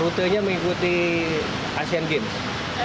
rutenya mengikuti asian games